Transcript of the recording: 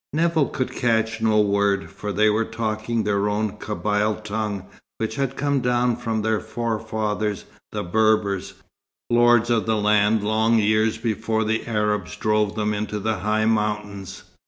Nevill could catch no word, for they were talking their own Kabyle tongue which had come down from their forefathers the Berbers, lords of the land long years before the Arabs drove them into the high mountains.